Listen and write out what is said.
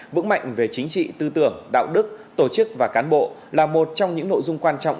vững mạnh về chính trị tư tưởng đạo đức tổ chức và cán bộ là một trong những nội dung quan trọng